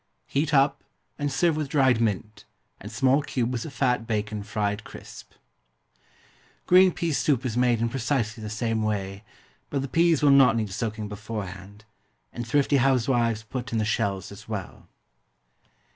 Heat up, and serve with dried mint, and small cubes of fat bacon fried crisp. GREEN PEA SOUP is made in precisely the same way; but the peas will not need soaking beforehand, and thrifty housewives put in the shells as well.